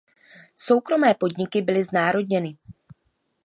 Soukromé podniky byly znárodněny.